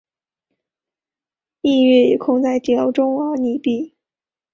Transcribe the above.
逸悦也困在地牢中而溺毙。